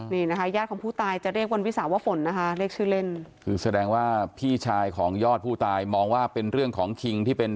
นี่นะคะญาติของผู้ตายจะเรียกวันวิสาวะฝนนะคะเขาเรียกชื่อเล่น